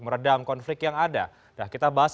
meredam konflik yang ada nah kita bahas